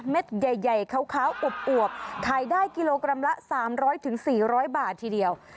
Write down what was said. ใหญ่ขาวอวบขายได้กิโลกรัมละ๓๐๐๔๐๐บาททีเดียว